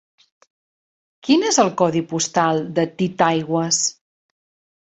Quin és el codi postal de Titaigües?